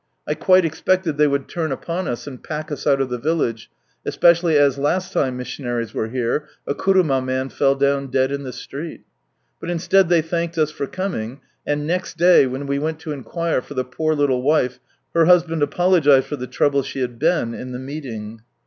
1 quite expected they would turn upon us, and pack us out of the village, especially as last time missionaries were here a kuruma man fell down dead in the street. But instead, they thanked us for coming ; and next day, when we went to inquire for the poor little wife, her husband apologised for the trouble she had been in the meeting.